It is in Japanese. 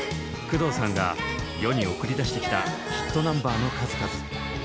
工藤さんが世に送り出してきたヒットナンバーの数々。